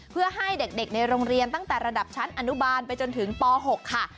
เพื่อให้เด็กในโรงเรียนตั้งแต่ระดับชั้นอนุบาลไปจนถึงป๖ค่ะ